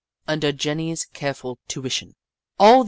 Under Jenny's careful tuition, all these little